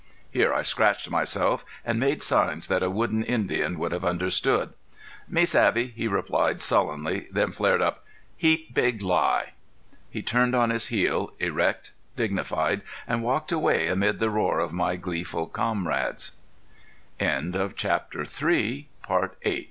here I scratched myself and made signs that a wooden Indian would have understood. "Me savvy," he replied, sullenly, then flared up. "Heap big lie." He turned on his heel, erect, dignified, and walked away amid the roars of my gleeful comrades. IX One by one my companions sought their bla